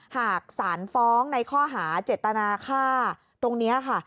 หากสารฟ้องในข้อหาเจตนาฆ่าตรงนี้ค่ะ